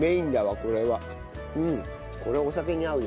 これお酒に合うよ。